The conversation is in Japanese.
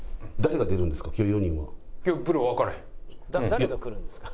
「誰が来るんですか？」。